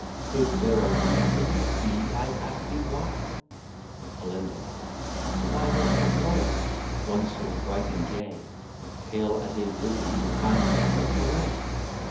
Could there a Reason be, I'd ask thee, why? Alin. Why does Licoris, once so bright and gay, Pale as a Lilly pine her self away?